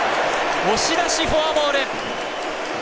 押し出しフォアボール。